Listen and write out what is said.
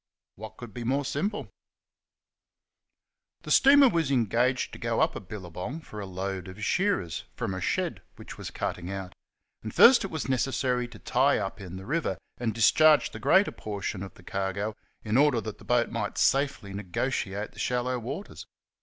What could be more simple ? The steamer was engaged to go up a billabong for a load of shearers from a shed which was cutting out ; and first it was necessary to tie up in the river and discharge the greater portion of the cargo in order that the boat might safely negotiate the shallow waters.